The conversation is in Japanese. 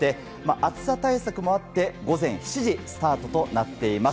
暑さ対策もあって午前７時スタートとなっています。